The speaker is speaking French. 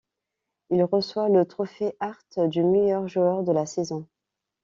Il reçoit le trophée Hart du meilleur joueur de la saison.